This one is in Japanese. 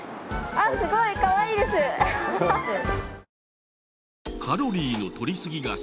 あっすごいかわいいです。でしょ？